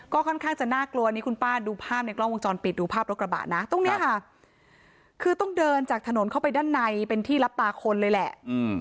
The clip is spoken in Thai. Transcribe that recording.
ก็ค่อนข้างจะน่ากลัวนี่คุณป้าดูภาพในกล้องวงจรปิดดูภาพรถกระบะนะตรงนี้ค่ะคือต้องเดินจากถนนเข้าไปด้านในเป็นที่รับตาคนเลยแหละ